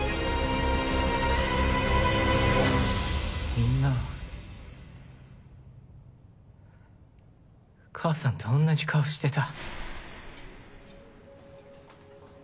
みんな母さんと同じ顔してた。